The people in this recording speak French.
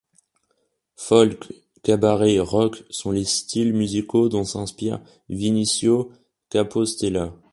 Folk, cabaret, rock sont les styles musicaux dont s'inspire Vinicio Capossela.